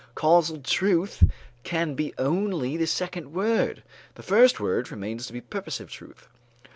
Causal truth can be only the second word; the first word remains to purposive truth.